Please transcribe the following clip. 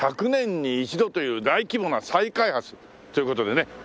１００年に一度という大規模な再開発という事でね。